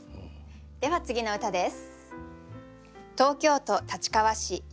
では次の歌です。